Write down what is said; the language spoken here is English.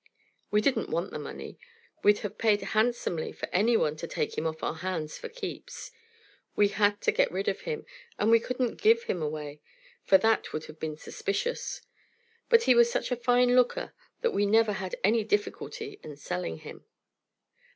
We didn't want the money. We'd have paid handsomely for any one to take him off our hands for keeps. We had to get rid of him, and we couldn't give him away, for that would have been suspicious. But he was such a fine looker that we never had any difficulty in selling him.